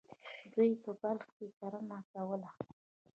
دوی په بلخ کې کرنه کوله.